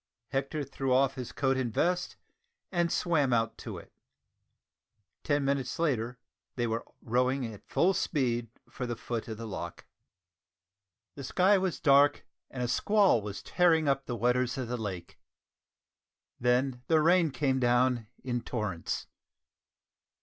Hector threw off his coat and vest, and swam out to it! Ten minutes later, they were rowing at full speed for the foot of the loch. The sky was dark and a squall was tearing up the waters of the lake. Then the rain came down in torrents.